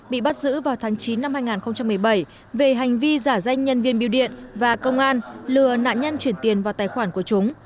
bị bắt giữ vào tháng chín năm hai nghìn một mươi bảy về hành vi giả danh nhân viên biêu điện và công an lừa nạn nhân chuyển tiền vào tài khoản của chúng